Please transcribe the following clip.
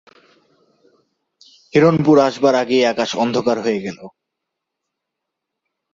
হিরণপুর আসবার আগেই আকাশ অন্ধকার হয়ে গেল।